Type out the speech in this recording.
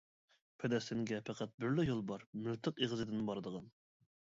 پەلەستىنگە پەقەت بىرلا يول بار مىلتىق ئېغىزىدىن بارىدىغان.